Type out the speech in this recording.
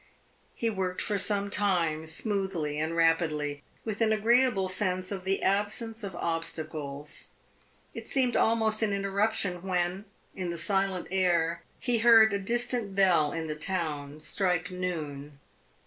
He worked for some time smoothly and rapidly, with an agreeable sense of the absence of obstacles. It seemed almost an interruption when, in the silent air, he heard a distant bell in the town strike noon.